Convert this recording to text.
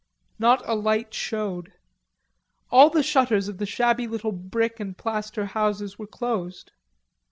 Not a light showed. All the shutters of the shabby little brick and plaster houses were closed.